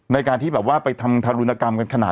ในการที่แบบว่าไปทำธารุณกรรม